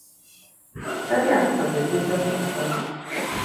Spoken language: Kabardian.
Сэри апхуэдэ дыду къысщохъу.